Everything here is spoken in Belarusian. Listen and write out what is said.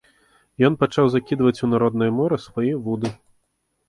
Ён пачаў закідваць у народнае мора свае вуды.